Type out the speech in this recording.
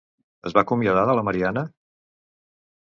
Es va acomiadar de la Marianna?